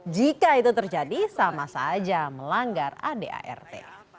jika itu terjadi sama saja melanggar adart